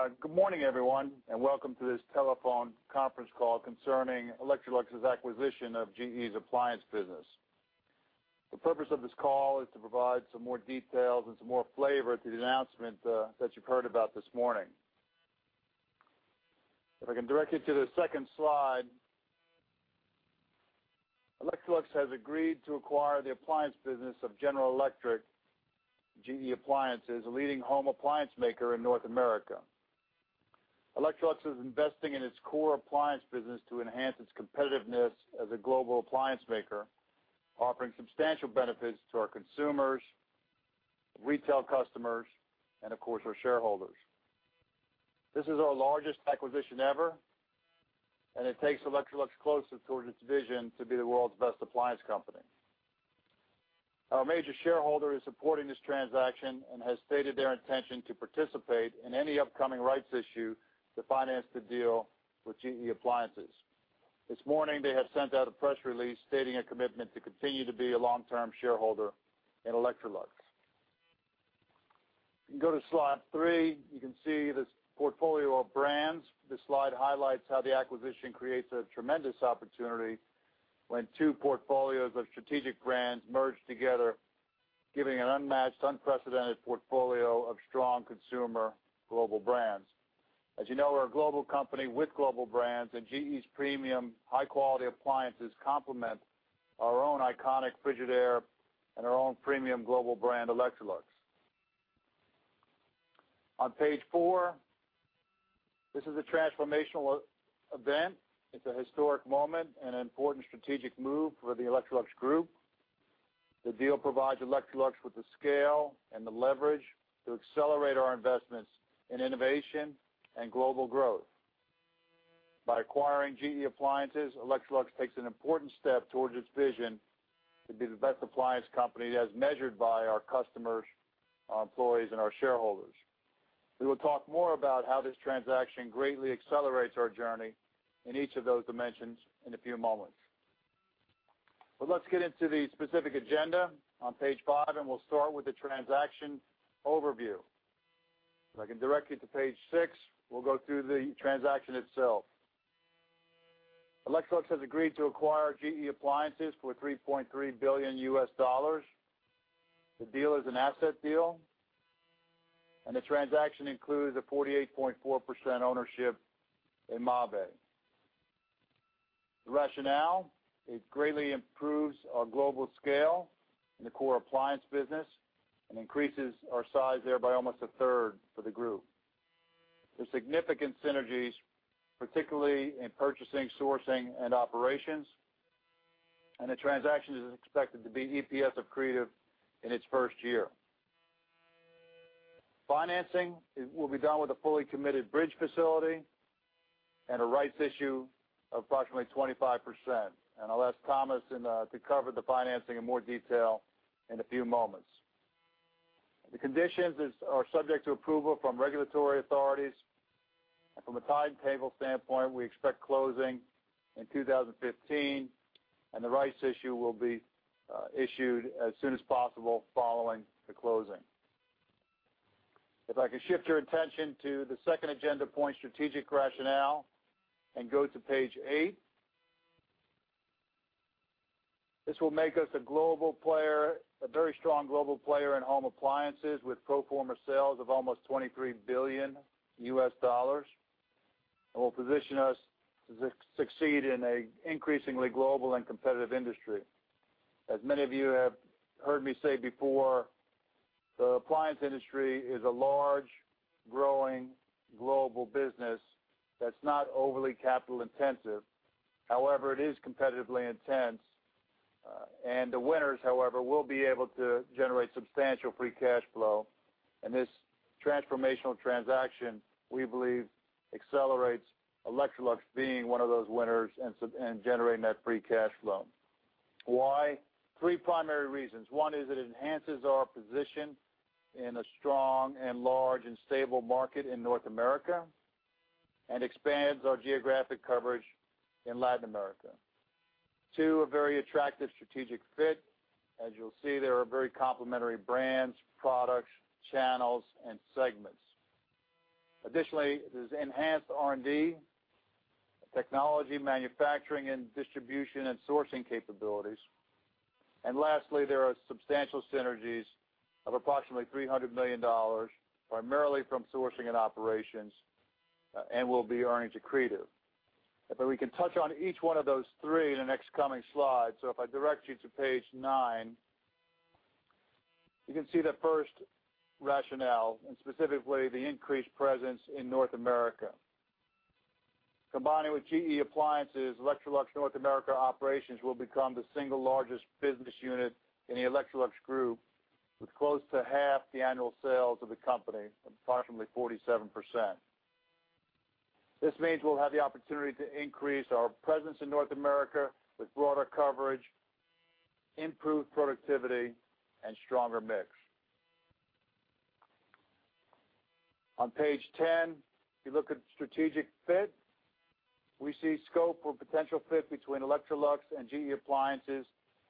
Hello, and good morning, everyone, and welcome to this telephone conference call concerning Electrolux's acquisition of GE's appliance business. The purpose of this call is to provide some more details and some more flavor to the announcement that you've heard about this morning. If I can direct you to the second slide, Electrolux has agreed to acquire the appliance business of General Electric, GE Appliances, a leading home appliance maker in North America. Electrolux is investing in its core appliance business to enhance its competitiveness as a global appliance maker, offering substantial benefits to our consumers, retail customers, and of course, our shareholders. This is our largest acquisition ever, and it takes Electrolux closer towards its vision to be the world's best appliance company. Our major shareholder is supporting this transaction and has stated their intention to participate in any upcoming rights issue to finance the deal with GE Appliances. This morning, they have sent out a press release stating a commitment to continue to be a long-term shareholder in Electrolux. You can go to slide three. You can see this portfolio of brands. This slide highlights how the acquisition creates a tremendous opportunity when two portfolios of strategic brands merge together, giving an unmatched, unprecedented portfolio of strong consumer global brands. As you know, we're a global company with global brands, and GE's premium high-quality appliances complement our own iconic Frigidaire and our own premium global brand, Electrolux. On page four, this is a transformational event. It's a historic moment and an important strategic move for the Electrolux Group. The deal provides Electrolux with the scale and the leverage to accelerate our investments in innovation and global growth. By acquiring GE Appliances, Electrolux takes an important step towards its vision to be the best appliance company as measured by our customers, our employees, and our shareholders. We will talk more about how this transaction greatly accelerates our journey in each of those dimensions in a few moments. Let's get into the specific agenda on page five, and we'll start with the transaction overview. If I can direct you to page six, we'll go through the transaction itself. Electrolux has agreed to acquire GE Appliances for $3.3 billion. The deal is an asset deal, and the transaction includes a 48.4% ownership in Mabe. The rationale, it greatly improves our global scale in the core appliance business and increases our size there by almost 1/3 for the group. There is significant synergies, particularly in purchasing, sourcing, and operations, and the transaction is expected to be EPS accretive in its first year. Financing, it will be done with a fully committed bridge facility and a rights issue of approximately 25%. I'll ask Tomas to cover the financing in more detail in a few moments. The conditions are subject to approval from regulatory authorities. From a timetable standpoint, we expect closing in 2015, and the rights issue will be issued as soon as possible following the closing. If I could shift your attention to the second agenda point, strategic rationale, and go to page eight. This will make us a global player, a very strong global player in home appliances, with pro forma sales of almost $23 billion, will position us to succeed in a increasingly global and competitive industry. As many of you have heard me say before, the appliance industry is a large, growing, global business that's not overly capital intensive. It is competitively intense, and the winners, however, will be able to generate substantial free cash flow. This transformational transaction, we believe, accelerates Electrolux being one of those winners and generating that free cash flow. Why? Three primary reasons. One is it enhances our position in a strong and large and stable market in North America, and expands our geographic coverage in Latin America. Two, a very attractive strategic fit. As you'll see, there are very complementary brands, products, channels, and segments. Additionally, it is enhanced R&D, technology, manufacturing, and distribution, and sourcing capabilities. Lastly, there are substantial synergies of approximately $300 million, primarily from sourcing and operations, and will be earnings accretive. We can touch on each one of those three in the next coming slides. If I direct you to page nine, you can see the first rationale, and specifically, the increased presence in North America. Combining with GE Appliances, Electrolux North America operations will become the single largest business unit in the Electrolux Group, with close to half the annual sales of the company, approximately 47%. This means we'll have the opportunity to increase our presence in North America with broader coverage, improved productivity, and stronger mix. On page 10, if you look at strategic fit? We see scope for potential fit between Electrolux and GE Appliances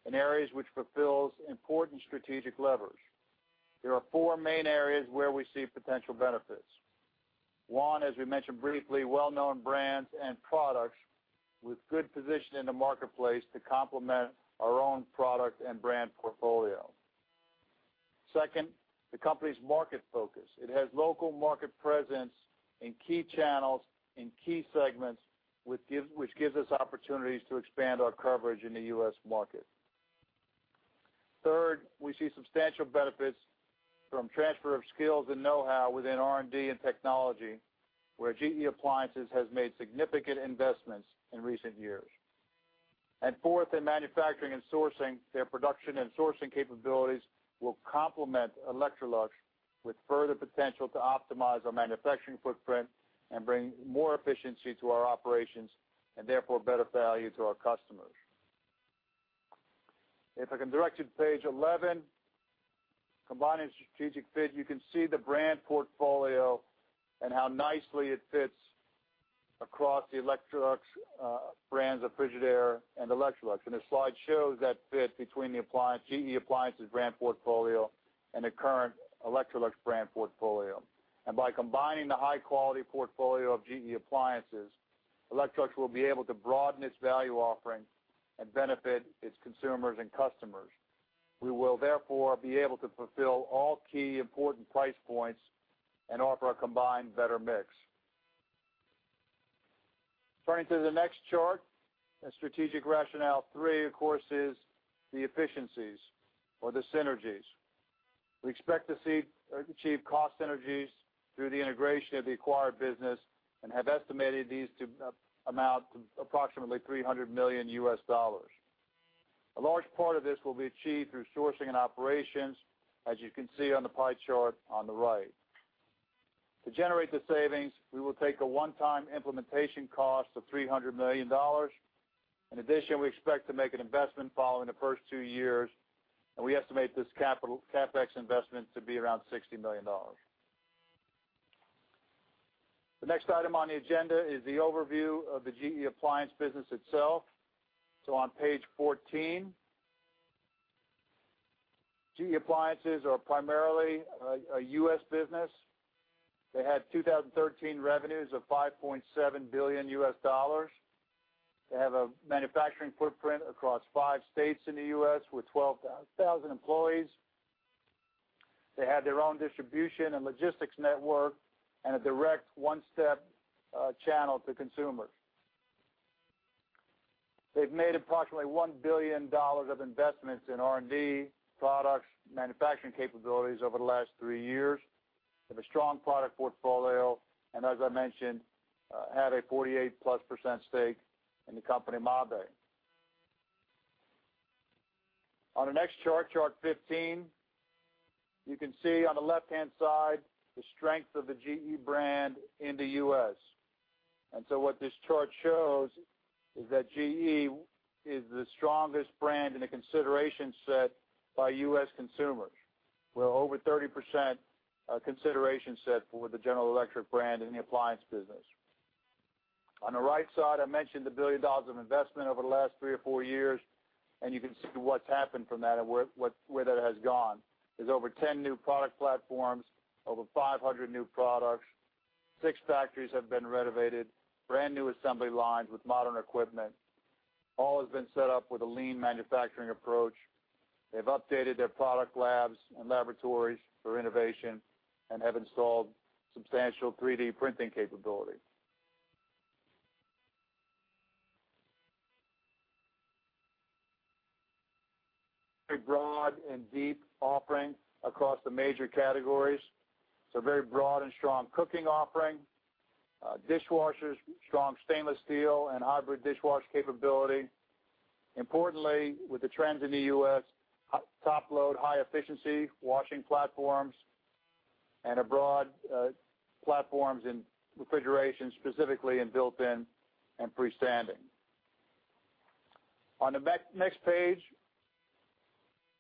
in areas which fulfills important strategic levers. There are four main areas where we see potential benefits. One, as we mentioned briefly, well-known brands and products with good position in the marketplace to complement our own product and brand portfolio. Second, the company's market focus. It has local market presence in key channels, in key segments, which gives us opportunities to expand our coverage in the U.S. market. Third, we see substantial benefits from transfer of skills and know-how within R&D and technology, where GE Appliances has made significant investments in recent years. Fourth, in manufacturing and sourcing, their production and sourcing capabilities will complement Electrolux with further potential to optimize our manufacturing footprint and bring more efficiency to our operations and therefore, better value to our customers. If I can direct you to page 11, combining strategic fit, you can see the brand portfolio and how nicely it fits across the Electrolux brands of Frigidaire and Electrolux. This slide shows that fit between the appliance, GE Appliances brand portfolio and the current Electrolux brand portfolio. By combining the high-quality portfolio of GE Appliances, Electrolux will be able to broaden its value offering and benefit its consumers and customers. We will therefore be able to fulfill all key important price points and offer a combined better mix. Turning to the next chart, and strategic rationale three, of course, is the efficiencies or the synergies. We expect to see achieve cost synergies through the integration of the acquired business and have estimated these to amount to approximately $300 million. A large part of this will be achieved through sourcing and operations, as you can see on the pie chart on the right. To generate the savings, we will take a one-time implementation cost of $300 million. In addition, we expect to make an investment following the first two years, and we estimate this CapEx investment to be around $60 million. The next item on the agenda is the overview of the GE Appliances business itself. On page 14, GE Appliances are primarily a U.S. business. They had 2013 revenues of $5.7 billion. They have a manufacturing footprint across five states in the U.S., with 12,000 employees. They have their own distribution and logistics network and a direct one-step channel to consumers. They've made approximately $1 billion of investments in R&D, products, manufacturing capabilities over the last three years. They have a strong product portfolio, as I mentioned, have a 48+% stake in the company, Mabe. On the next chart 15, you can see on the left-hand side, the strength of the GE brand in the U.S. What this chart shows is that GE is the strongest brand in the consideration set by U.S. consumers, with over 30% consideration set for the General Electric brand in the appliance business. On the right side, I mentioned $1 billion of investment over the last three or four years, you can see what's happened from that and where, what, where that has gone. There's over 10 new product platforms, over 500 new products, 6 factories have been renovated, brand-new assembly lines with modern equipment. All has been set up with a lean manufacturing approach. They've updated their product labs and laboratories for innovation and have installed substantial 3D printing capability. A broad and deep offering across the major categories. It's a very broad and strong cooking offering, dishwashers, strong stainless steel and hybrid dishwasher capability. Importantly, with the trends in the U.S., top-load, high efficiency washing platforms and a broad platforms in refrigeration, specifically in built-in and freestanding. On the next page,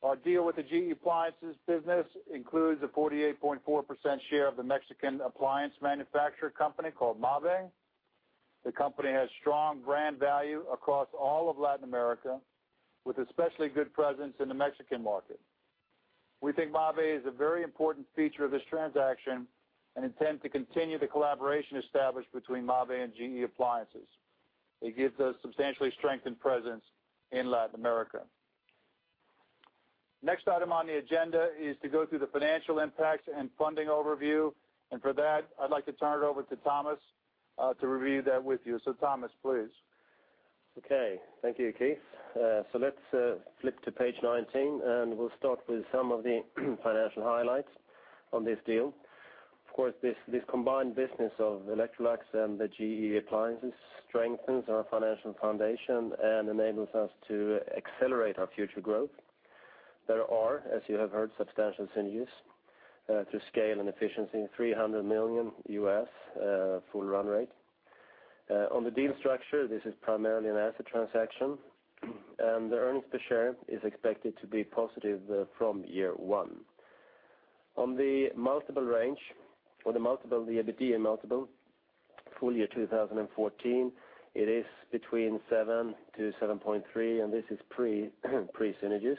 our deal with the GE Appliances business includes a 48.4% share of the Mexican appliance manufacturer company called Mabe. The company has strong brand value across all of Latin America, with especially good presence in the Mexican market. We think Mabe is a very important feature of this transaction and intend to continue the collaboration established between Mabe and GE Appliances. It gives us substantially strengthened presence in Latin America. Next item on the agenda is to go through the financial impacts and funding overview, and for that, I'd like to turn it over to Tomas, to review that with you. Tomas, please. Okay. Thank you, Keith. Let's flip to page 19, and we'll start with some of the financial highlights on this deal. Of course, this combined business of Electrolux and GE Appliances strengthens our financial foundation and enables us to accelerate our future growth. There are, as you have heard, substantial synergies through scale and efficiency, $300 million full run rate. On the deal structure, this is primarily an asset transaction, and the earnings per share is expected to be positive from year 1. On the multiple range or the multiple, the EBITDA multiple, full year 2014, it is between 7x-7.3x, and this is pre-synergies,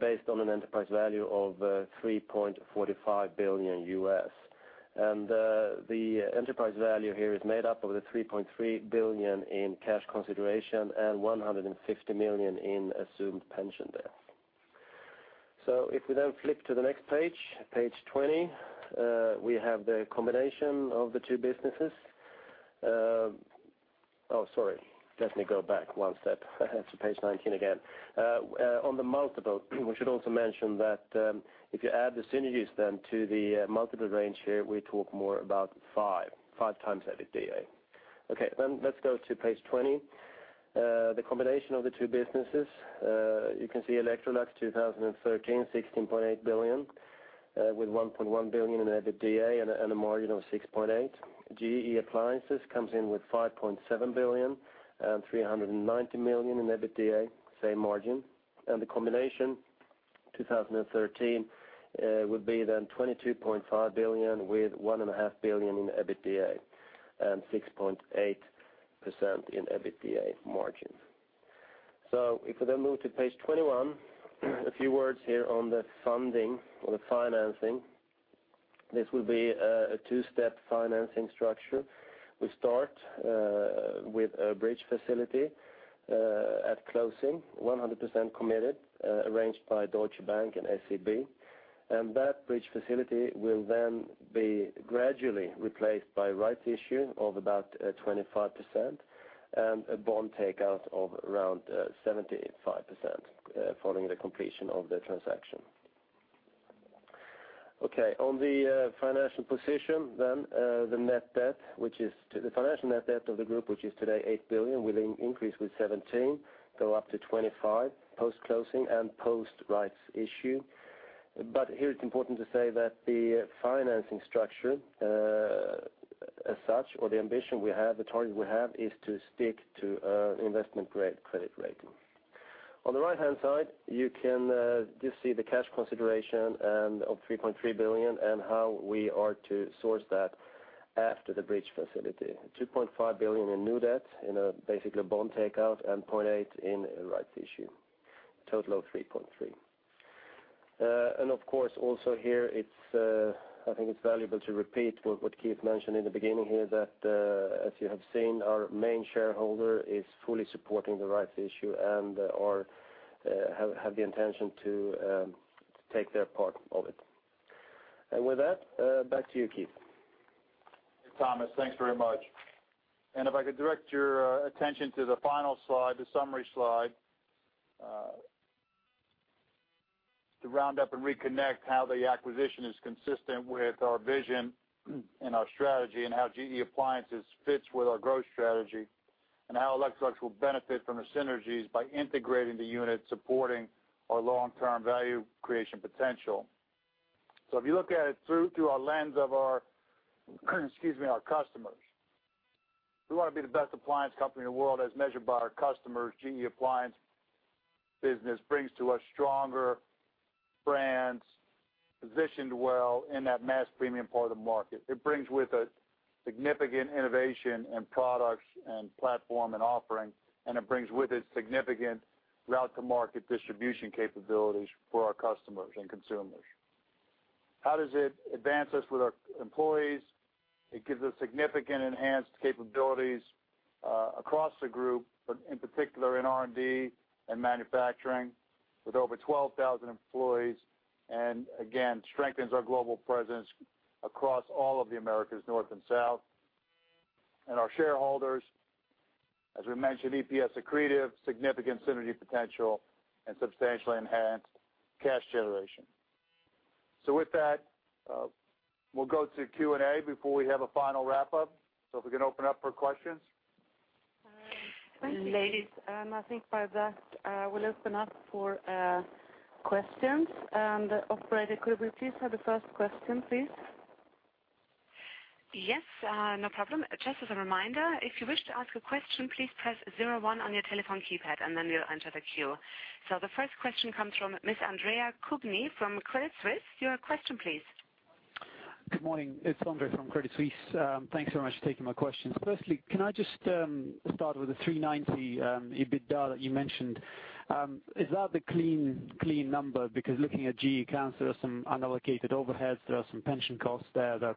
based on an enterprise value of $3.45 billion. The enterprise value here is made up of $3.3 billion in cash consideration and $150 million in assumed pension debt. If we flip to the next page, page 20, we have the combination of the two businesses. Let me go back one step to page 19 again. On the multiple, we should also mention that if you add the synergies to the multiple range here, we talk more about 5x EBITDA. Let's go to page 20. The combination of the two businesses, you can see Electrolux 2013, $16.8 billion, with $1.1 billion in EBITDA and a margin of 6.8%. GE Appliances comes in with $5.7 billion and $390 million in EBITDA, same margin. The combination, 2013, would be then $22.5 billion with $1.5 billion in EBITDA and 6.8% in EBITDA margin. If we then move to page 21, a few words here on the funding or the financing. This will be a two-step financing structure. We start with a bridge facility at closing, 100% committed, arranged by Deutsche Bank and SEB. That bridge facility will then be gradually replaced by rights issue of about 25% and a bond takeout of around 75% following the completion of the transaction. On the financial position, the net debt, the financial net debt of the group, which is today $8 billion, will increase with $17 billion, go up to $25 billion post-closing and post-rights issue. Here, it's important to say that the financing structure as such, or the ambition we have, the target we have, is to stick to investment-grade credit rating. On the right-hand side, you can just see the cash consideration of $3.3 billion and how we are to source that after the bridge facility. $2.5 billion in new debt, in a basically a bond takeout, and $0.8 billion in a rights issue, total of $3.3 billion. Of course, also here, it's, I think it's valuable to repeat what Keith mentioned in the beginning here, that, as you have seen, our main shareholder is fully supporting the rights issue and, or, have the intention to take their part of it. With that, back to you, Keith. Tomas, thanks very much. If I could direct your attention to the final slide, the summary slide, to round up and reconnect how the acquisition is consistent with our vision and our strategy, and how GE Appliances fits with our growth strategy, and how Electrolux will benefit from the synergies by integrating the unit, supporting our long-term value creation potential. If you look at it through our lens of our, excuse me, our customers, we want to be the best appliance company in the world as measured by our customers. GE Appliance business brings to us stronger brands positioned well in that mass premium part of the market. It brings with it significant innovation and products and platform and offering, and it brings with it significant route to market distribution capabilities for our customers and consumers. How does it advance us with our employees? It gives us significant enhanced capabilities, across the group, but in particular in R&D and manufacturing, with over 12,000 employees, and again, strengthens our global presence across all of the Americas, North and South. Our shareholders, as we mentioned, EPS accretive, significant synergy potential, and substantially enhanced cash generation. With that, we'll go to Q&A before we have a final wrap-up. If we can open up for questions. I think by that, we'll open up for questions. Operator, could we please have the first question, please? Yes, no problem. Just as a reminder, if you wish to ask a question, please press 01 on your telephone keypad, then you'll enter the queue. The first question comes from Ms. Andre Kukhnin from Credit Suisse. Your question, please. Good morning. It's Andre from Credit Suisse. Thanks very much for taking my questions. Firstly, can I just start with the $390 million EBITDA that you mentioned? Is that the clean number? Because looking at GE accounts, there are some unallocated overheads, there are some pension costs there that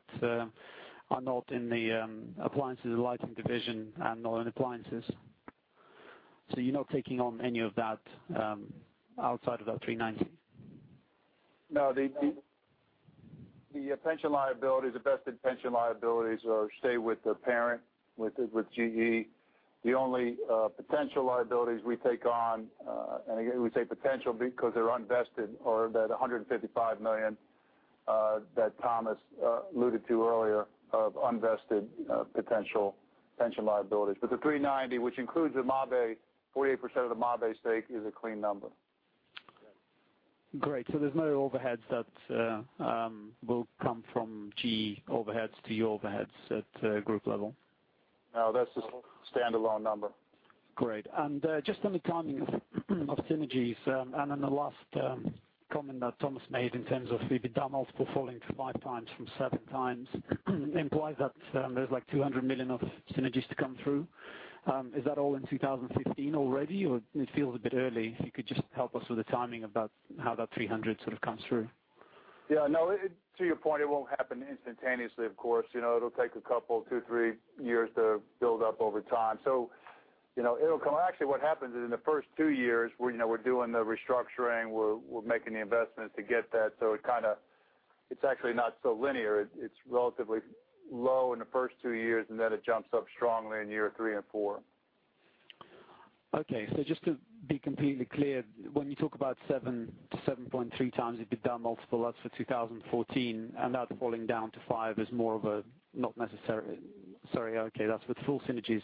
are not in the Appliances and Lighting division and not in Appliances. You're not taking on any of that outside of that $390 million? No, the pension liability, the vested pension liabilities, stay with the parent, with GE. The only potential liabilities we take on, and again, we say potential because they're unvested, are that $155 million, that Tomas alluded to earlier, of unvested, potential pension liabilities. The $390 million, which includes the Mabe, 48% of the Mabe stake, is a clean number. Great. There's no overheads that will come from GE overheads to your overheads at group level? No, that's the standalone number. Great. Just on the timing of synergies, then the last comment that Tomas made in terms of the EBITDA multiple falling to 5x from 7x, implies that there's like $200 million of synergies to come through. Is that all in 2015 already, or it feels a bit early? If you could just help us with the timing about how that $300 million sort of comes through. Yeah, no, to your point, it won't happen instantaneously, of course, you know, it'll take a couple, two, three years to build up over time. you know, it'll come. Actually, what happens is, in the first two years, where, you know, we're doing the restructuring, we're making the investments to get that, so it kind of. It's actually not so linear. It's relatively low in the first two years, and then it jumps up strongly in year three and four. Okay, just to be completely clear, when you talk about 7x-7.3x EBITDA multiple, that's for 2014, and that falling down to 5 is more of a, not necessarily. Sorry. Okay, that's with full synergies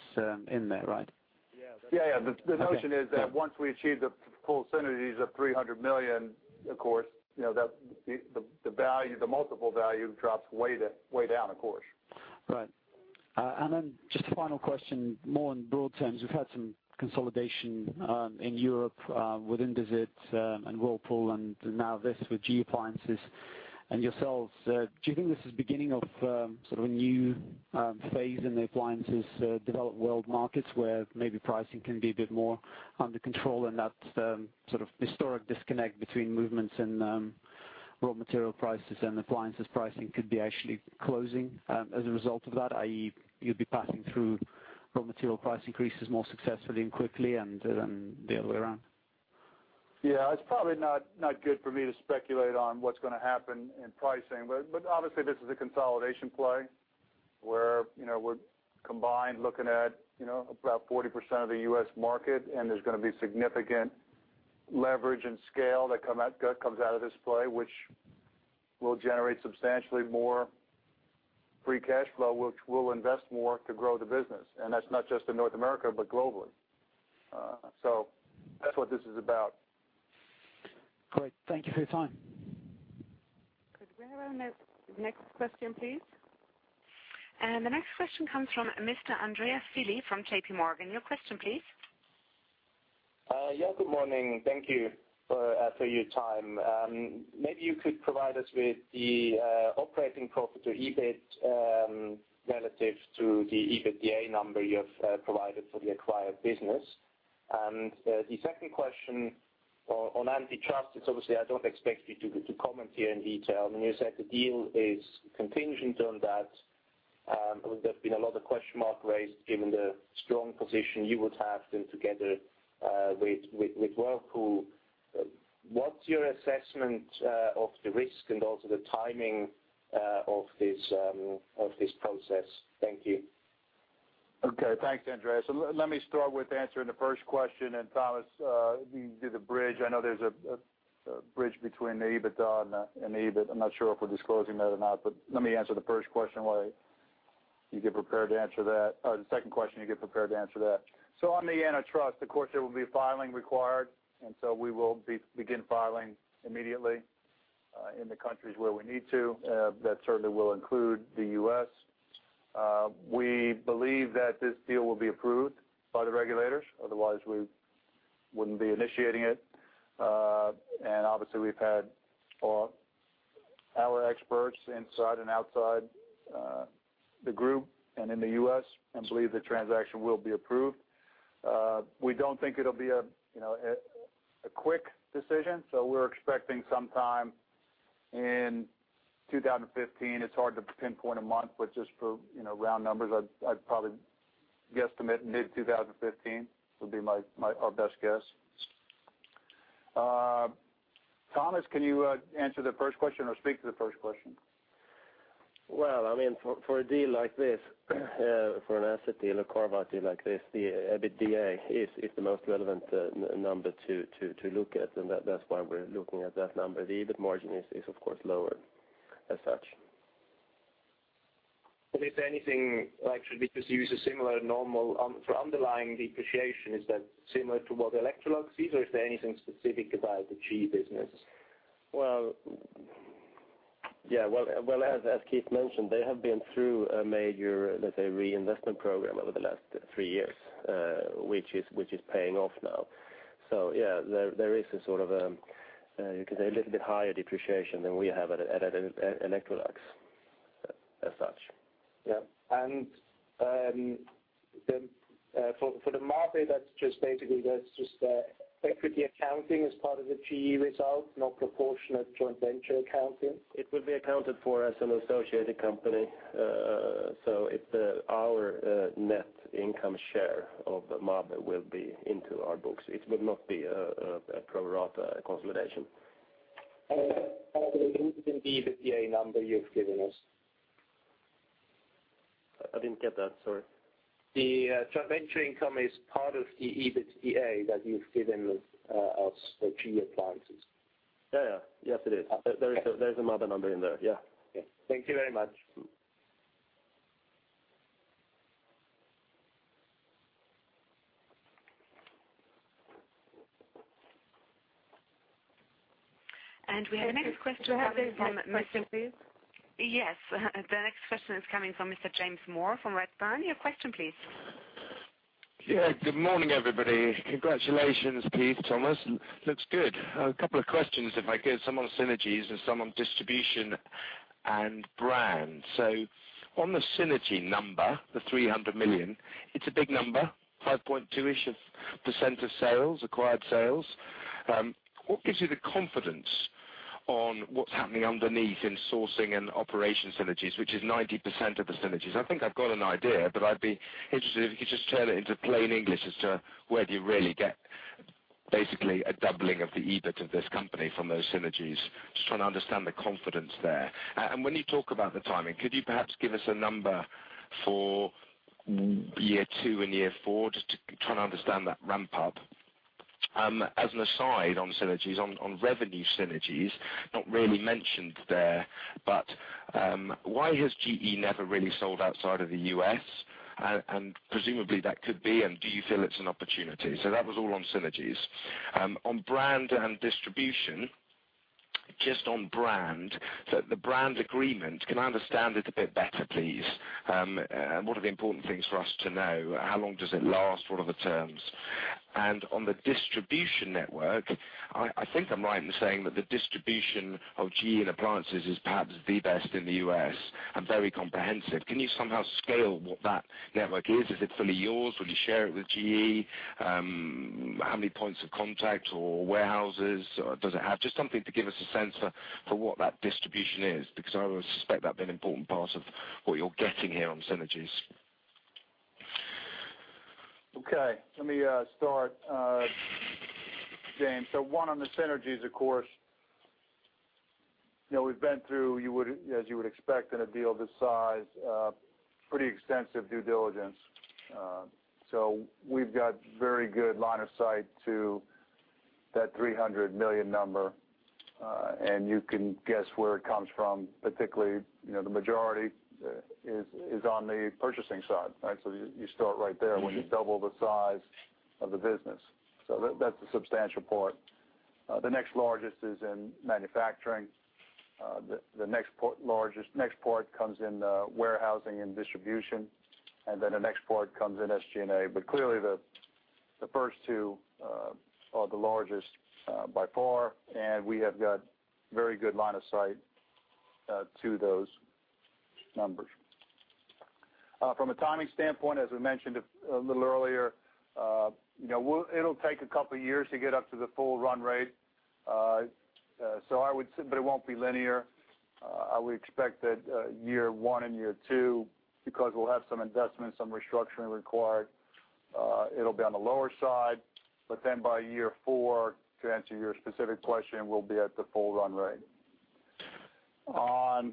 in there, right? Yeah. Yeah, yeah. Okay. The notion is that once we achieve the full synergies of $300 million, of course, you know, that the value, the multiple value drops way down, of course. Right. Just a final question, more on broad terms, we've had some consolidation in Europe with Indesit and Whirlpool, and now this with GE Appliances and yourselves. Do you think this is the beginning of sort of a new phase in the appliances developed world markets, where maybe pricing can be a bit more under control? That sort of historic disconnect between movements and raw material prices and appliances pricing could be actually closing as a result of that, i.e., you'd be passing through raw material price increases more successfully and quickly, and the other way around? Yeah, it's probably not good for me to speculate on what's gonna happen in pricing. Obviously, this is a consolidation play, where, you know, we're combined looking at, you know, about 40% of the U.S. market, and there's gonna be significant leverage and scale that comes out of this play, which will generate substantially more free cash flow, which we'll invest more to grow the business. That's not just in North America, but globally. That's what this is about. Great. Thank you for your time. Could we have our next question, please? The next question comes from Mr. Andreas Willi from JP Morgan. Your question, please. Yeah, good morning. Thank you for your time. Maybe you could provide us with the operating profit to EBIT relative to the EBITDA number you have provided for the acquired business. The second question on antitrust, it's obviously I don't expect you to comment here in detail. I mean, you said the deal is contingent on that. There's been a lot of question marks raised given the strong position you would have then together with Whirlpool. What's your assessment of the risk and also the timing of this process? Thank you. Thanks, Andreas. Let me start with answering the first question, and Tomas, you can do the bridge. I know there's a bridge between the EBITDA and the EBIT. I'm not sure if we're disclosing that or not, but let me answer the first question while you get prepared to answer that, the second question, you get prepared to answer that. On the antitrust, of course, there will be filing required, and we will begin filing immediately in the countries where we need to. That certainly will include the U.S. We believe that this deal will be approved by the regulators, otherwise we wouldn't be initiating it. Obviously, we've had our experts inside and outside the group and in the U.S., and believe the transaction will be approved. We don't think it'll be a, you know, a quick decision, so we're expecting some time in 2015. It's hard to pinpoint a month, but just for, you know, round numbers, I'd probably guesstimate mid-2015 would be our best guess. Tomas, can you answer the first question or speak to the first question? Well, I mean, for a deal like this, for an asset deal, a core value like this, the EBITDA is the most relevant number to look at, and that's why we're looking at that number. The EBIT margin is of course, lower as such. Is there anything, like, should we just use a similar normal, for underlying depreciation, is that similar to what Electrolux is, or is there anything specific about the GE business? Well, yeah. Well, as Keith mentioned, they have been through a major, let's say, reinvestment program over the last three years, which is paying off now. Yeah, there is a sort of a, you could say, a little bit higher depreciation than we have at Electrolux, as such. Yeah, for the Mabe, that's just basically equity accounting as part of the GE results, not proportionate joint venture accounting? It will be accounted for as an associated company. So it's our net income share of Mabe will be into our books. It will not be a pro rata consolidation. the EBITDA number you've given us? I didn't get that, sorry. The joint venture income is part of the EBITDA that you've given us for GE Appliances. Yeah, yeah. Yes, it is. Okay. There's a Mabe number in there, yeah. Okay. Thank you very much. We have the next question coming from... Do you have the next question, please? Yes. The next question is coming from Mr. James Moore from Redburn. Your question, please. Good morning, everybody. Congratulations, Keith, Tomas. Looks good. A couple of questions if I could, some on synergies and some on distribution and brand. On the synergy number, the $300 million, it's a big number, 5.2%-ish of the center sales, acquired sales. What gives you the confidence on what's happening underneath in sourcing and operation synergies, which is 90% of the synergies? I think I've got an idea, but I'd be interested if you could just turn it into plain English as to where do you really get basically a doubling of the EBIT of this company from those synergies. Just trying to understand the confidence there. When you talk about the timing, could you perhaps give us a number for year two and year four, just to try and understand that ramp up? As an aside on synergies, on revenue synergies, not really mentioned there, but why has GE never really sold outside of the US? Presumably, that could be, and do you feel it's an opportunity? That was all on synergies. On brand and distribution, just on brand, the brand agreement, can I understand it a bit better, please? What are the important things for us to know? How long does it last? What are the terms? On the distribution network, I think I'm right in saying that the distribution of GE Appliances is perhaps the best in the U.S. and very comprehensive. Can you somehow scale what that network is? Is it fully yours? Will you share it with GE? How many points of contact or warehouses does it have? Just something to give us a sense for what that distribution is, because I would suspect that's been an important part of what you're getting here on synergies. Okay, let me start, James. One, on the synergies, of course, you know, we've been through, as you would expect in a deal this size, pretty extensive due diligence. We've got very good line of sight to that $300 million number, and you can guess where it comes from, particularly, you know, the majority, is on the purchasing side, right? You start right there. Mm-hmm. -when you double the size of the business. That's a substantial part. The next largest is in manufacturing. The next part largest comes in warehousing and distribution, and then the next part comes in SG&A. Clearly, the first two are the largest by far, and we have got very good line of sight to those numbers. From a timing standpoint, as we mentioned a little earlier, you know, it'll take a couple years to get up to the full run rate. I would but it won't be linear. I would expect that year one and year two, because we'll have some investments, some restructuring required, it'll be on the lower side, but then by year four, to answer your specific question, we'll be at the full run rate. On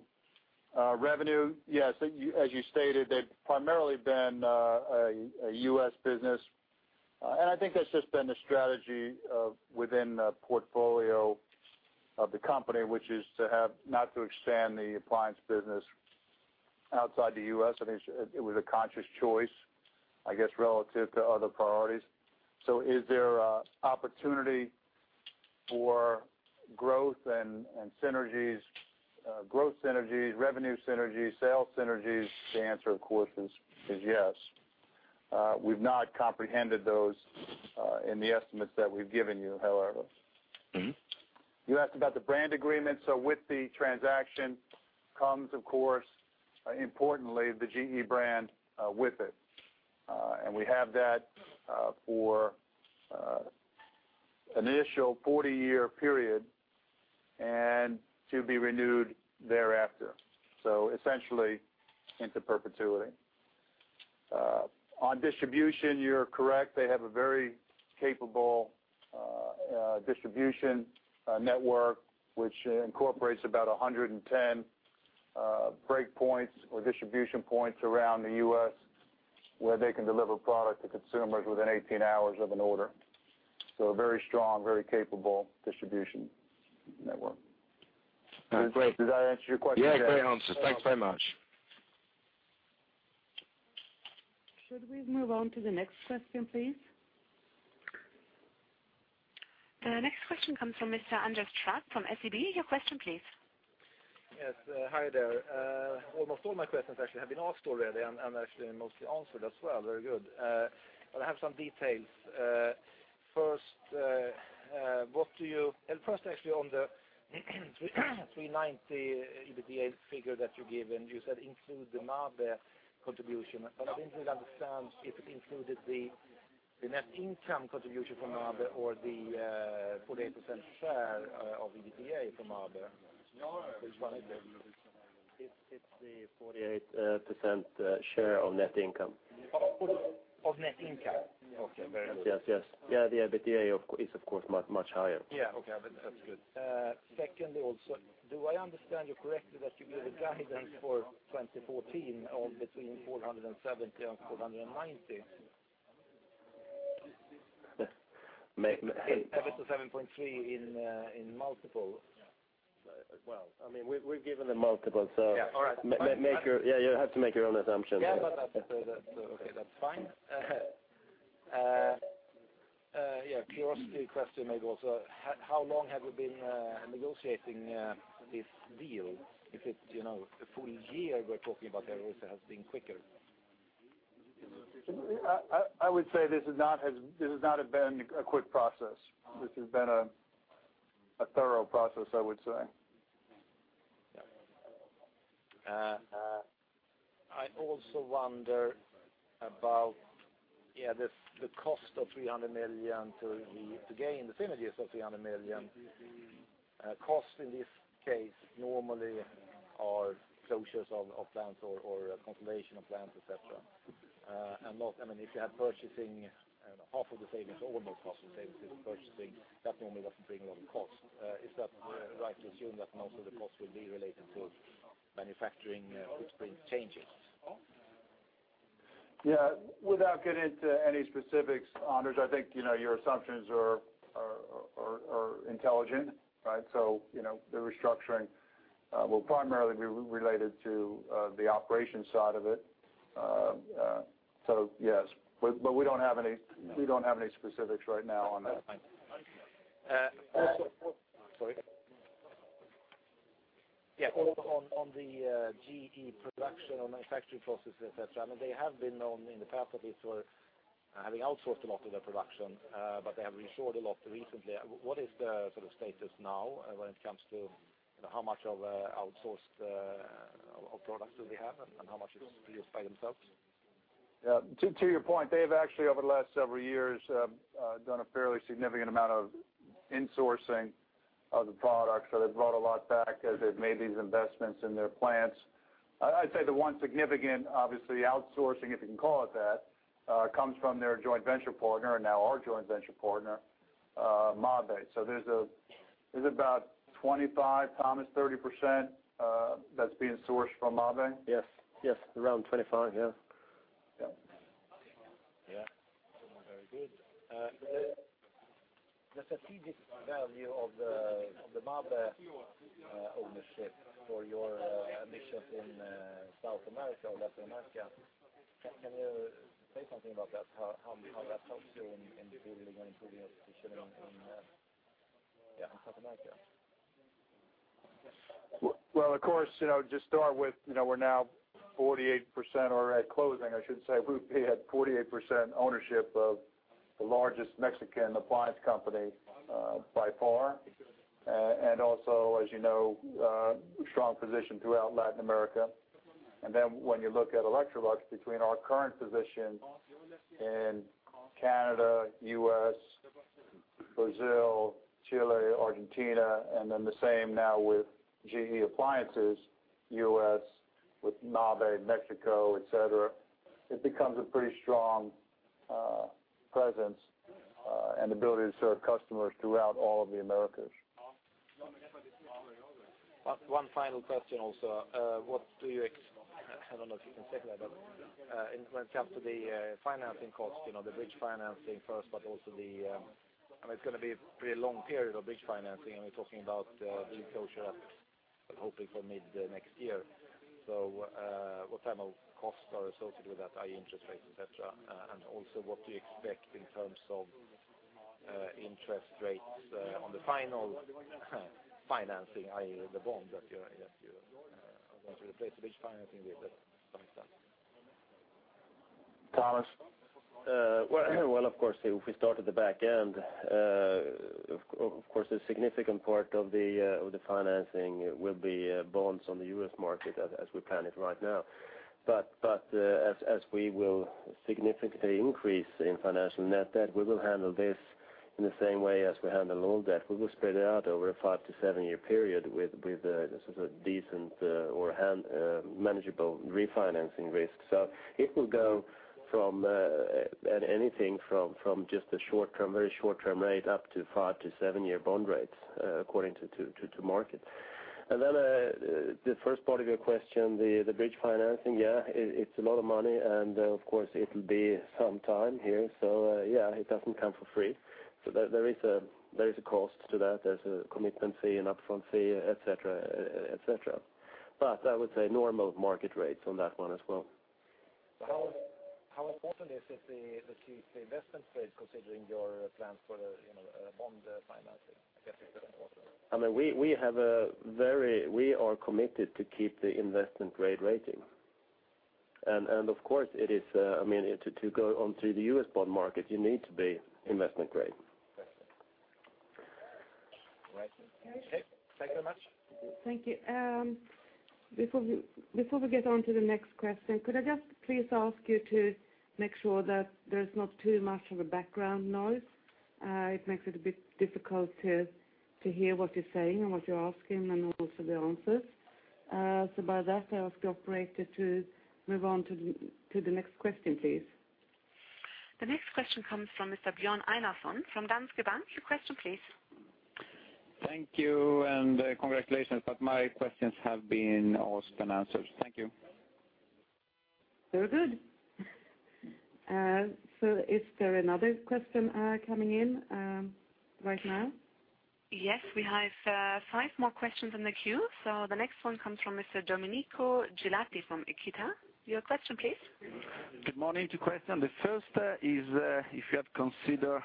revenue, yes, as you stated, they've primarily been a U.S. business. I think that's just been the strategy within the portfolio of the company, which is not to expand the appliance business outside the U.S. I think it was a conscious choice, I guess, relative to other priorities. Is there a opportunity for growth and synergies, growth synergies, revenue synergies, sales synergies? The answer, of course, is yes. We've not comprehended those in the estimates that we've given you, however. Mm-hmm. You asked about the brand agreement. With the transaction comes, of course, importantly, the GE brand with it. We have that for an initial 40-year period, and to be renewed thereafter, essentially into perpetuity. On distribution, you're correct. They have a very capable distribution network, which incorporates about 110 breakpoints or distribution points around the U.S., where they can deliver product to consumers within 18 hours of an order. A very strong, very capable distribution network. Thanks. Great. Does that answer your question? Yeah, great answers. Thanks very much. Should we move on to the next question, please? The next question comes from Mr. Anders Trapp from SEB. Your question, please. Yes, hi there. Almost all my questions actually have been asked already, and actually mostly answered as well, very good. I have some details. First, well, first, actually, on the $390 million EBITDA figure that you gave, and you said include the Mabe contribution. I didn't really understand if it included the net income contribution from Mabe or the 48% share of EBITDA from Mabe. Which one is it? It's the 48% share of net income. Of net income? Yes. Okay, very good. Yes, yes. Yeah, the EBITDA, of course, is much higher. Yeah, okay, but that's good. Secondly, also, do I understand you correctly that you gave a guidance for 2014 of between $470 million and $490 million? May- EBITA 7.3 in multiple. Well, I mean, we've given the multiple, so- Yeah, all right. Yeah, you'll have to make your own assumptions. Yeah, but that, okay, that's fine. Yeah, curiosity question maybe also, how long have you been negotiating this deal? Is it, you know, a full year we're talking about here, or it has been quicker? I would say this has not been a quick process. This has been a thorough process, I would say. Yeah. I also wonder about the cost of $300 million to the, to gain the synergies of $300 million. Costs in this case normally are closures of plants or consolidation of plants, et cetera. Not, I mean, if you have purchasing, half of the savings or almost half of the savings is purchasing, that normally doesn't bring a lot of costs. Is that right to assume that most of the costs will be related to manufacturing, footprint changes? Without getting into any specifics, Anders, I think, you know, your assumptions are intelligent, right? You know, the restructuring will primarily be related to the operations side of it. Yes, but we don't have any- Yeah. We don't have any specifics right now on that. That's fine. also- Uh- Sorry. Yeah, on the GE production or manufacturing processes, et cetera, I mean, they have been known in the past of it for having outsourced a lot of their production, but they have resourced a lot recently. What is the sort of status now, when it comes to, you know, how much of outsourced of products do they have, and how much is produced by themselves? Yeah, to your point, they've actually, over the last several years, done a fairly significant amount of insourcing of the products. They've brought a lot back as they've made these investments in their plants. I'd say the one significant, obviously, outsourcing, if you can call it that, comes from their joint venture partner, and now our joint venture partner, Mabe. There's about 25%, Tomas, 30% that's being sourced from Mabe? Yes. Yes, around 25%, yeah. Yeah. Yeah. Very good. The strategic value of the Mabe ownership for your ambitions in South America or Latin America, can you say something about that, how that helps you in building and improving your position in South America? Well, of course, you know, just start with, you know, we're now 48% or at closing, I should say, we had 48% ownership of the largest Mexican appliance company, by far. And also, as you know, strong position throughout Latin America. When you look at Electrolux, between our current position in Canada, U.S., Brazil, Chile, Argentina, and then the same now with GE Appliances, U.S., with Mabe, Mexico, et cetera, it becomes a pretty strong, presence, and ability to serve customers throughout all of the Americas. One final question also. What do you, I don't know if you can say that, but when it comes to the financing costs, you know, the bridge financing first, but also the, I mean, it's going to be a pretty long period of bridge financing, and we're talking about the closure, hoping for mid next year. What type of costs are associated with that, i.e., interest rates, et cetera? What do you expect in terms of interest rates on the final financing, i.e., the bond that you're, that you're, once you replace the bridge financing with it, something like that? Tomas? Well, well, of course, if we start at the back end, of course, a significant part of the financing will be bonds on the U.S. market as we plan it right now. As, as we will significantly increase in financial net debt, we will handle this in the same way as we handle all debt. We will spread it out over a five-to-seven-year period with sort of decent or manageable refinancing risk. It will go from at anything from just a short term, very short term rate, up to five-to-seven-year bond rates according to market. Then, the first part of your question, the bridge financing, yeah, it's a lot of money, and, of course, it'll be some time here. Yeah, it doesn't come for free. There is a cost to that. There's a commitment fee, an upfront fee, et cetera, et cetera. I would say normal market rates on that one as well. How important is it, the keep the investment grade, considering your plans for the, you know, bond financing? I guess it's very important. I mean, we are committed to keep the investment-grade rating. Of course, it is, I mean, to go onto the U.S. bond market, you need to be investment-grade. Right. Okay, thank you very much. Thank you. Before we get on to the next question, could I just please ask you to make sure that there's not too much of a background noise? It makes it a bit difficult to hear what you're saying and what you're asking and also the answers. By that, I ask the operator to move on to the next question, please. The next question comes from Mr. Björn Enarson from Danske Bank. Your question, please. Thank you, and, congratulations, but my questions have been asked and answered. Thank you. Very good! Is there another question coming in right now? Yes, we have five more questions in the queue. The next one comes from Mr. Domenico Ghilotti from Equita. Your question, please. Good morning. Two question: the first, is, if you have considered,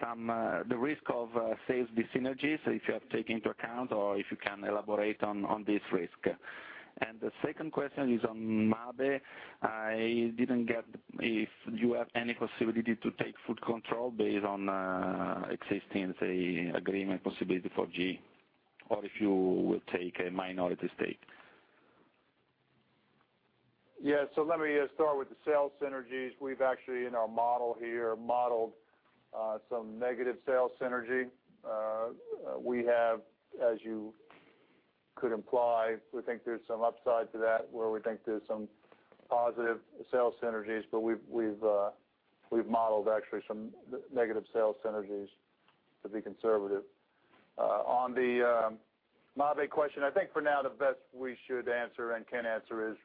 some, the risk of, sales dis-synergies, if you have taken into account or if you can elaborate on this risk. The second question is on Mabe. I didn't get if you have any possibility to take full control based on existing, say, agreement possibility for GE, or if you will take a minority stake. Yeah. Let me start with the sales synergies. We've actually, in our model here, modeled some negative sales synergy. We have, as you could imply, we think there's some upside to that, where we think there's some positive sales synergies. We've modeled actually some negative sales synergies to be conservative. On the Mabe question, I think for now, the best we should answer and can answer is,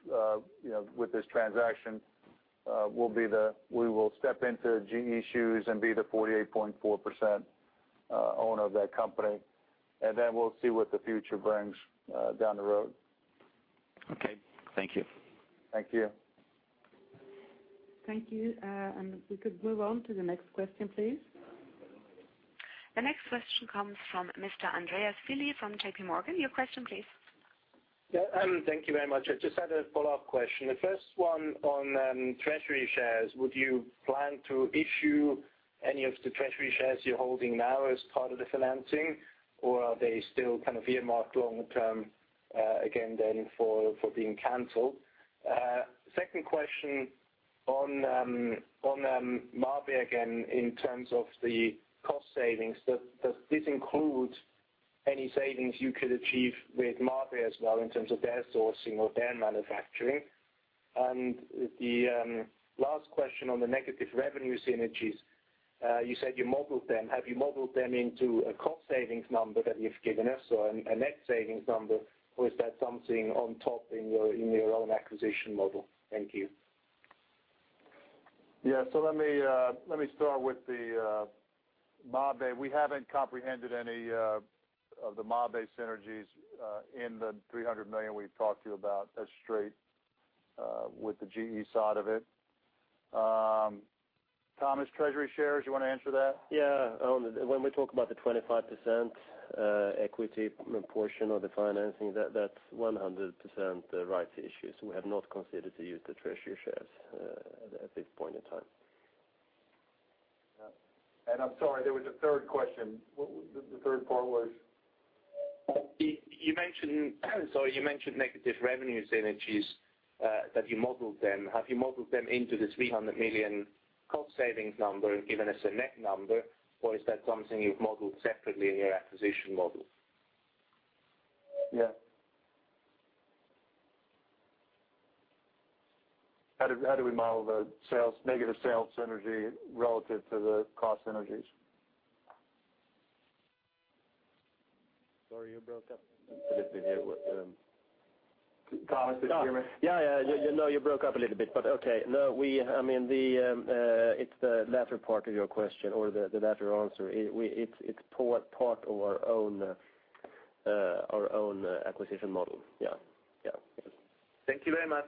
you know, with this transaction, we will step into GE's shoes and be the 48.4% owner of that company, and then we'll see what the future brings down the road. Okay. Thank you. Thank you. Thank you. We could move on to the next question, please. The next question comes from Mr. Andreas Willi from JP Morgan. Your question, please. Yeah, thank you very much. I just had a follow-up question. The first one on treasury shares. Would you plan to issue any of the treasury shares you're holding now as part of the financing, or are they still kind of earmarked long term, again, then, for being canceled? Second question on Mabe again, in terms of the cost savings. Does this include any savings you could achieve with Mabe as well, in terms of their sourcing or their manufacturing? The last question on the negative revenue synergies. You said you modeled them. Have you modeled them into a cost savings number that you've given us, so a net savings number, or is that something on top in your own acquisition model? Thank you. Yeah. Let me start with the Mabe. We haven't comprehended any of the Mabe synergies in the $300 million we've talked to you about as straight with the GE side of it. Tomas, treasury shares, you want to answer that? Yeah. When we talk about the 25% equity portion of the financing, that's 100% the rights issues. We have not considered to use the treasury shares at this point in time. I'm sorry, there was a third question. What was the third part was? You mentioned, sorry, you mentioned negative revenue synergies, that you modeled them. Have you modeled them into the $300 million cost savings number and given us a net number, or is that something you've modeled separately in your acquisition model? Yeah. How do we model the sales, negative sales synergy relative to the cost synergies? Sorry, you broke up a little bit there with. Tomas, did you hear me? Yeah, yeah. You broke up a little bit, but okay. I mean, the latter part of your question or the latter answer. It's part of our own acquisition model. Yeah. Yeah. Thank you very much.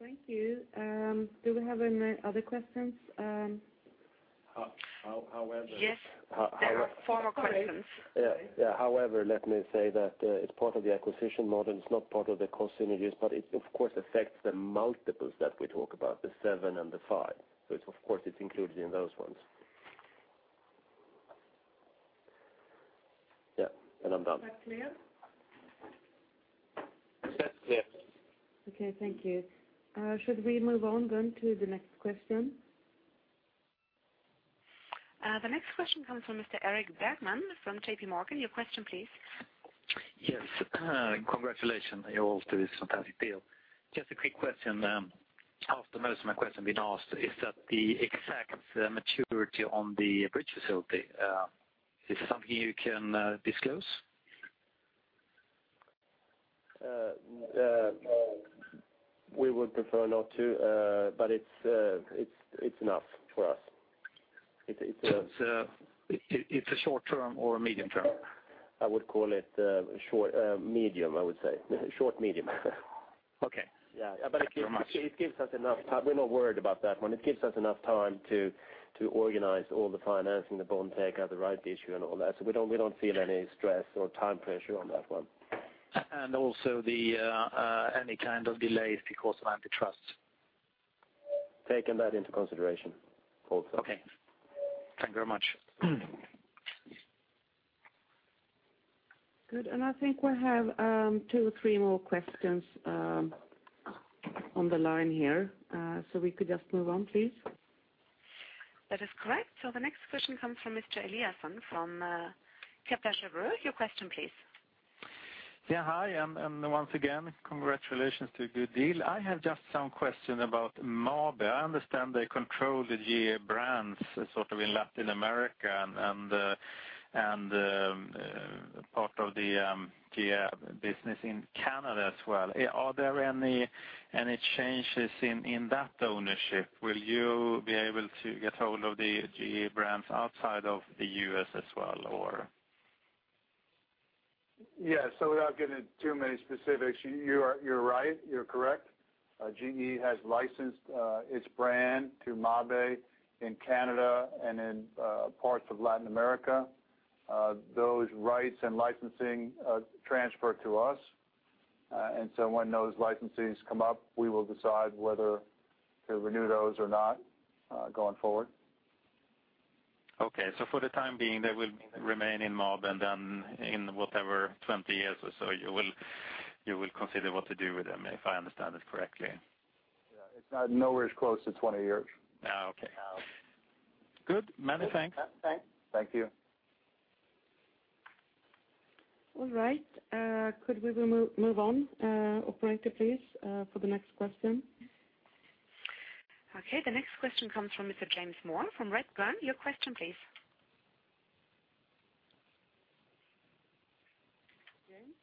Thank you. Do we have any other questions? Yes, there are four more questions. Yeah. However, let me say that, it's part of the acquisition model, it's not part of the cost synergies, but it, of course, affects the multiples that we talk about, the 7x and the 5x. It's, of course, it's included in those ones. Yeah, I'm done. Is that clear? That's clear. Thank you. Should we move on then to the next question? The next question comes from Mr. Eric Bergman from JP Morgan. Your question, please. Yes, congratulations, you all, to this fantastic deal. Just a quick question, half the most of my question been asked is that the exact maturity on the bridge facility is something you can disclose? We would prefer not to, but it's enough for us. It's enough. It's a short term or medium term? I would call it, short, medium, I would say. Short-medium. Okay. Yeah. Thank you very much. It gives us enough time. We're not worried about that one. It gives us enough time to organize all the financing, the bond takeout, the rights issue, and all that. We don't feel any stress or time pressure on that one. Also the, any kind of delays because of antitrust? Taking that into consideration also. Okay. Thank you very much. Good. I think we have two or three more questions on the line here, so we could just move on, please. That is correct. The next question comes from Mr. Eliason from Kepler Cheuvreux. Your question, please. Yeah, hi, once again, congratulations to a good deal. I have just some question about Mabe. I understand they control the GE brands sort of in Latin America and part of the GE business in Canada as well. Are there any changes in that ownership? Will you be able to get hold of the GE brands outside of the U.S. as well, or? Without getting into too many specifics, you're right. You're correct. GE has licensed its brand to Mabe in Canada and in parts of Latin America. Those rights and licensing transfer to us. When those licenses come up, we will decide whether to renew those or not, going forward. Okay. For the time being, they will remain in Mabe, and then in whatever, 20 years or so, you will consider what to do with them, if I understand this correctly? Yeah. It's nowhere close to 20 years. Okay. Um. Good. Many thanks. Thanks. Thank you. All right. Could we move on, operator, please, for the next question? Okay, the next question comes from Mr. James Moore from Redburn. Your question, please. James?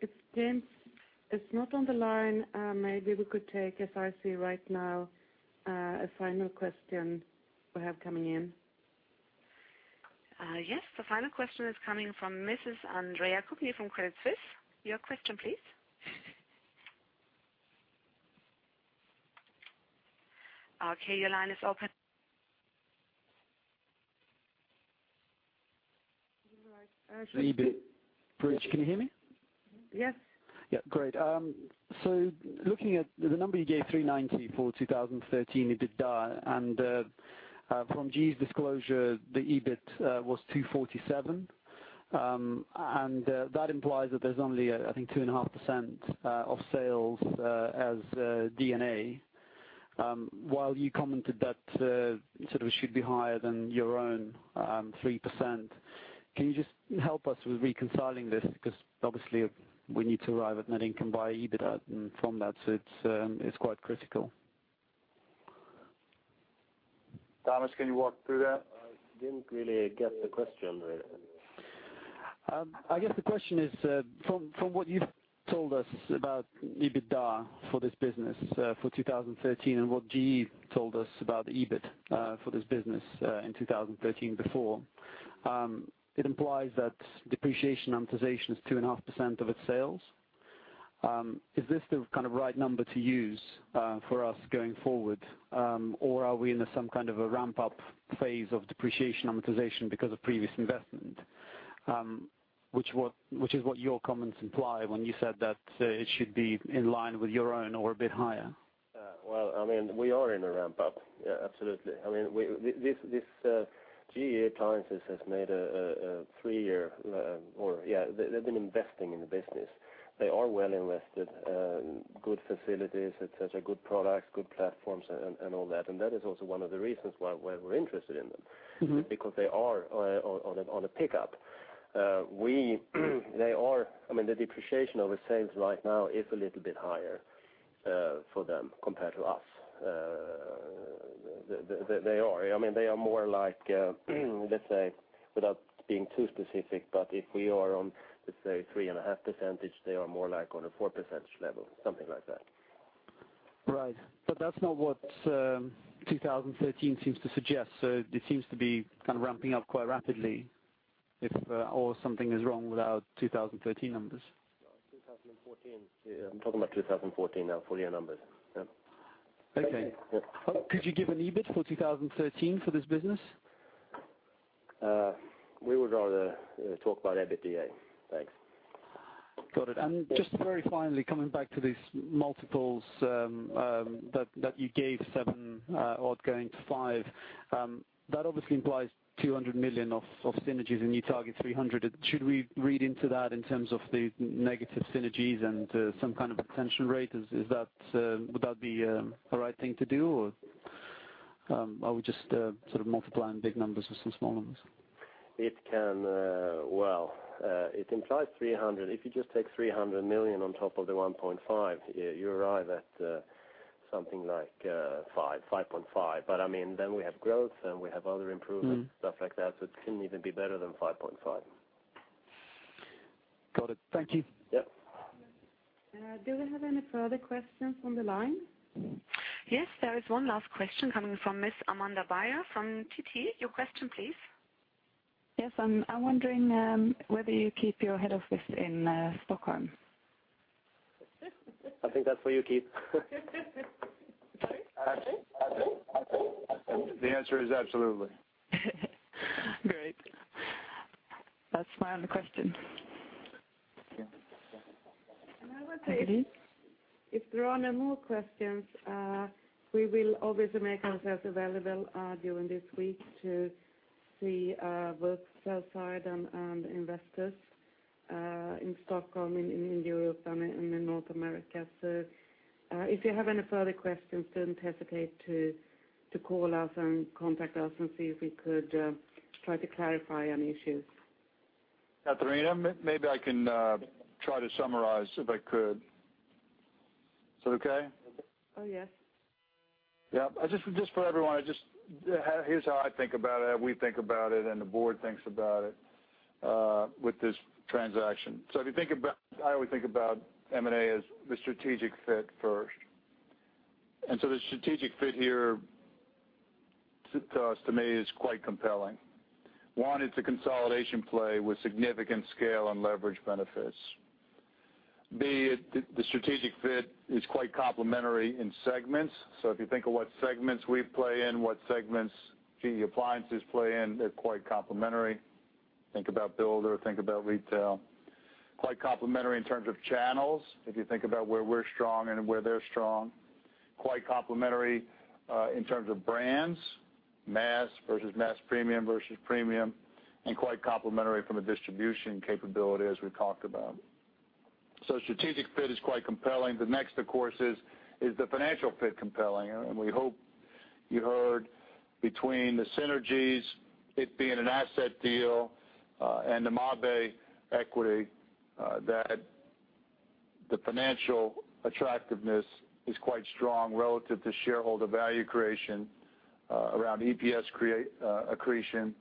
If James is not on the line, maybe we could take, as I see right now, a final question we have coming in. Yes, the final question is coming from Mrs. Andre Kukhninfrom Credit Suisse. Your question, please. Your line is open. EBIT. Bridge. Can you hear me? Yes. Yeah, great. Looking at the number you gave, $390 million for 2013, EBITDA, and from GE's disclosure, the EBIT was $247 million. That implies that there's only, I think 2.5% of sales as D&A. While you commented that sort of should be higher than your own 3%, can you just help us with reconciling this? Obviously, we need to arrive at net income by EBITDA, and from that, it's quite critical. Tomas, can you walk through that? I didn't really get the question right. I guess the question is, from what you've told us about EBITDA for this business for 2013, and what GE told us about EBIT for this business in 2013 before. It implies that depreciation amortization is 2.5% of its sales. Is this the kind of right number to use for us going forward? Or are we in some kind of a ramp-up phase of depreciation amortization because of previous investment? Which is what your comments imply when you said that it should be in line with your own or a bit higher. Well, I mean, we are in a ramp-up. Yeah, absolutely. I mean, we, this GE Appliances has made a three-year... Or yeah, they've been investing in the business. They are well invested, good facilities, et cetera, good products, good platforms and all that. That is also one of the reasons why we're interested in them. Mm-hmm. Because they are on a pick-up. They are, I mean, the depreciation over sales right now is a little bit higher for them compared to us. They are, I mean, they are more like, let's say, without being too specific, but if we are on, let's say, 3.5%, they are more like on a 4% level, something like that. That's not what 2013 seems to suggest. This seems to be kind of ramping up quite rapidly, if or something is wrong with our 2013 numbers. 2014. Yeah, I'm talking about 2014 now, full year numbers. Yeah. Okay. Yeah. Could you give an EBIT for 2013 for this business? We would rather talk about EBITDA. Thanks. Got it. Just very finally, coming back to these multiples that you gave 7x outgoing to 5x, that obviously implies $200 million of synergies, and you target $300 million. Should we read into that in terms of the negative synergies and some kind of potential rate? Would that be the right thing to do, or are we just sort of multiplying big numbers with some small numbers? It can. It implies $300 million. If you just take $300 million on top of the $1.5 million, you arrive at something like 5x, 5.5x. I mean, then we have growth, and we have other improvements. Mm-hmm. Stuff like that, so it can even be better than 5.5x Got it. Thank you. Yep. Do we have any further questions on the line? Yes, there is one last question coming from Miss Amanda Bayer from Citi. Your question, please. Yes, I'm wondering whether you keep your head office in Stockholm? I think that's for you, Keith. Sorry. The answer is absolutely. Great. That's my only question. If there are no more questions, we will obviously make ourselves available during this week to see both sell side and investors, in Stockholm, in Europe and in North America. If you have any further questions, don't hesitate to call us and contact us and see if we could try to clarify any issues. Katariina, maybe I can try to summarize if I could. Is that okay? Oh, yes. Yep. I just for everyone, here's how I think about it, how we think about it, and the board thinks about it with this transaction. If you think about, I always think about M&A as the strategic fit first. The strategic fit here to us, to me, is quite compelling. One, it's a consolidation play with significant scale and leverage benefits. B, the strategic fit is quite complementary in segments. If you think of what segments we play in, what segments GE Appliances play in, they're quite complementary. Think about builder, think about retail. Quite complementary in terms of channels, if you think about where we're strong and where they're strong. Quite complementary in terms of brands, mass versus mass premium versus premium, and quite complementary from a distribution capability, as we talked about. Strategic fit is quite compelling. The next, of course, is the financial fit compelling? We hope you heard between the synergies, it being an asset deal, and the Mabe equity, that the financial attractiveness is quite strong relative to shareholder value creation, around EPS accretion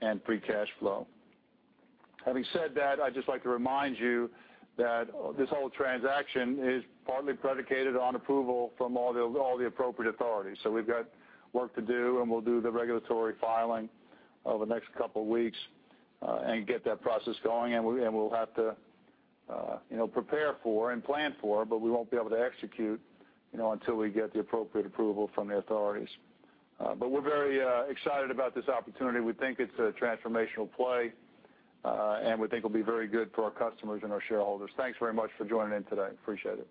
and free cash flow. Having said that, I'd just like to remind you that this whole transaction is partly predicated on approval from all the appropriate authorities. We've got work to do, we'll do the regulatory filing over the next couple of weeks, and get that process going. We'll have to, you know, prepare for and plan for, we won't be able to execute, you know, until we get the appropriate approval from the authorities. We're very excited about this opportunity. We think it's a transformational play, and we think it'll be very good for our customers and our shareholders. Thanks very much for joining in today. Appreciate it.